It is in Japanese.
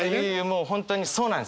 もう本当にそうなんですよね。